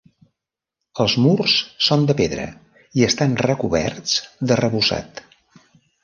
Els murs són de pedra i estan recoberts d'arrebossat.